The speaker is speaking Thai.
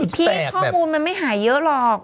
ข้อมูลมันไม่หายเยอะหรอก